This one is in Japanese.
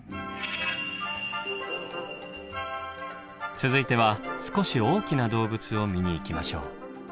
続いては少し大きな動物を見に行きましょう。